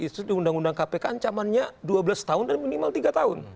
itu di undang undang kpk ancamannya dua belas tahun dan minimal tiga tahun